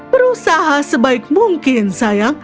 berusaha sebaik mungkin sayang